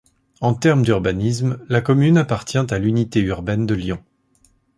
En termes d'urbanisme, la commune appartient à l'unité urbaine de Lyon.